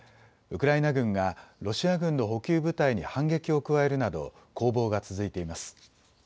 ウクライナ軍がロシア軍の補給部隊に反撃を加えるなど攻防が続いています。